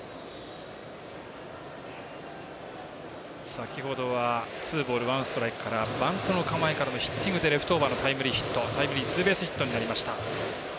先ほどはツーボールワンストライクからバントの構えからのヒッティングでレフトオーバーのタイムリーツーベースヒットになりました。